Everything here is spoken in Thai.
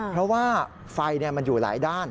เพราะว่าไฟมันอยู่หลายด้าน